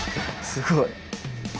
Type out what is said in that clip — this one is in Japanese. すごい。